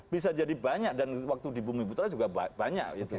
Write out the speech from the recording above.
bisa jadi banyak dan waktu di bumi putra juga banyak